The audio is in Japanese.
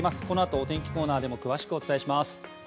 このあと、お天気コーナーでも詳しくお伝えします。